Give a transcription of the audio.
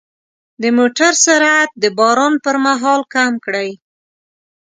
د موټر سرعت د باران پر مهال کم کړئ.